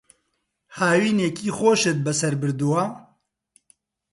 هاوینێکی خۆشت بەسەر بردووە؟